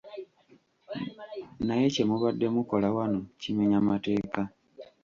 Naye kye mubadde mukola wano kimenya mateeka.